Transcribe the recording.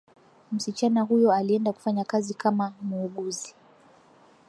msichana huyo alienda kufanya kazi kama muuguzi